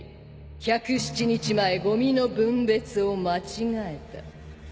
１０７日前ゴミの分別を間違えた。